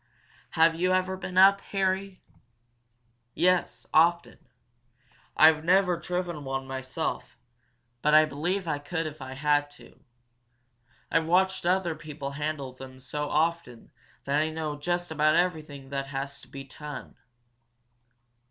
"Have you ever been up, Harry?" "Yes, often. I've never driven one myself, but I believe I could if I had to. I've watched other people handle them so often that I know just about everything that has to be done.